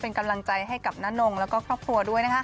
เป็นกำลังใจให้กับน้านงแล้วก็ครอบครัวด้วยนะคะ